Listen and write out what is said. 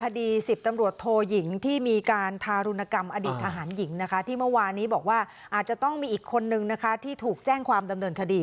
คดี๑๐ตำรวจโทยิงที่มีการทารุณกรรมอดีตทหารหญิงนะคะที่เมื่อวานนี้บอกว่าอาจจะต้องมีอีกคนนึงนะคะที่ถูกแจ้งความดำเนินคดี